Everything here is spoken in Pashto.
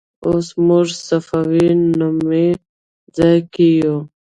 اوس موږ صفوي نومې ځای کې یو.